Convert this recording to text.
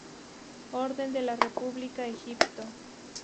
Orden de la República Egipto.